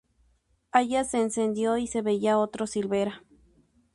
Allá se encendió y se veía otro Silvera.